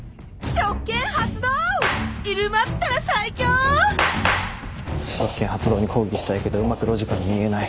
職権発動に抗議したいけどうまくロジカルに言えない。